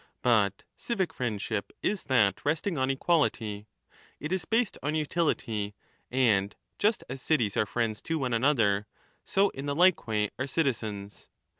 But civic friendship is that resting on equality ; it is based on utility ; and just as cities are friends to one another, so 25 in the like way are citizens.